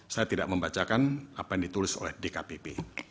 saya tidak membacakan apa yang ditulis oleh dkpp